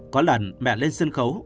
có lần mẹ lên sân khấu